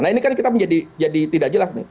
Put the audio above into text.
nah ini kan kita menjadi tidak jelas nih